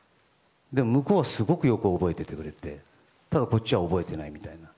向こうはすごくよく覚えていてくれてただ、こっちは覚えてないみたいな。